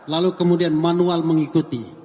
lalu kemudian manual mengikuti